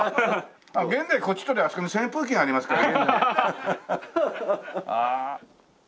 現代はこっち撮りゃあそこに扇風機がありますから。